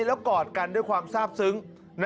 แล้วกอดกันด้วยความทราบซึ้ง